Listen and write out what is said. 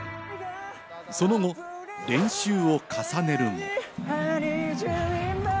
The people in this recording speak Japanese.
その後、練習を重ねるも。